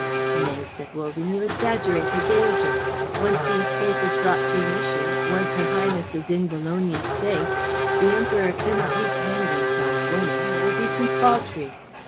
"Nay," said Wogan; "you exaggerate her danger. Once the escape is brought to an issue, once her Highness is in Bologna safe, the Emperor cannot wreak vengeance on a woman; it would be too paltry."